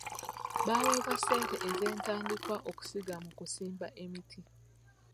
Baaweebwa ssente ez'entandikwa okuzisiga mu kusimba emiti.